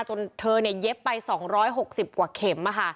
จนเธอเย็บไป๒๖๐กว่าเข็ม